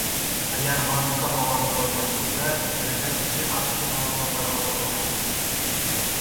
Agar mantiqqa bogʻlanib qolganimizda, kelajak bizga afsus-nadomatlar olib kelardi.